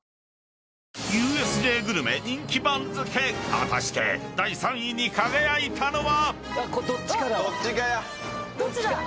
［果たして第３位に輝いたのは⁉］